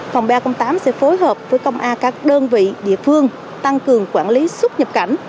phòng ba trăm linh tám sẽ phối hợp với công an các đơn vị địa phương tăng cường quản lý xuất nhập cảnh